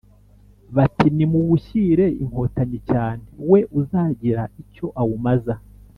Bati: nimuwushyire Inkotanyi cyane, we uzagira icyo awumaza.